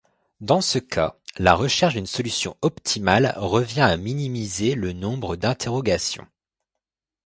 Dans ce cas, la recherche d’une solution optimale revient à minimiser le nombre d’interrogations.